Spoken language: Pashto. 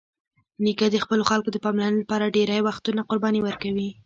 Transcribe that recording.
نیکه د خپلو خلکو د پاملرنې لپاره ډېری وختونه قرباني ورکوي.